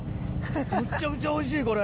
むっちゃくちゃおいしいこれ。